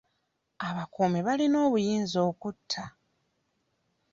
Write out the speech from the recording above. Abakuumi balina obuyinza okutta.